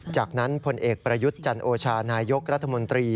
จากนั้นพลเอกประยุทธ์จันโอชานายกรัฐมนตรี